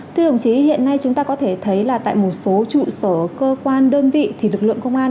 thưa đồng chí hiện nay chúng ta có thể thấy là tại một số trụ sở cơ quan đơn vị thì lực lượng công an